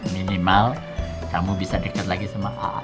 minimal kamu bisa dekat lagi sama ayah miki